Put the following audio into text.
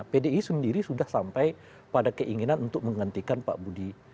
pdi sendiri sudah sampai pada keinginan untuk menghentikan pak budi